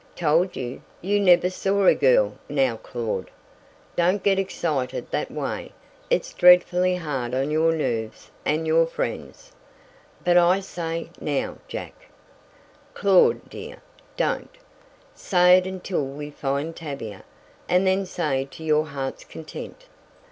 "Told you, you never saw a girl now Claud! Don't get excited that way. It's dreadfully hard on your nerves and on your friends." "But I say, now, Jack " "Claud, dear, don't. Save it until we find Tavia, and then say to your heart's content."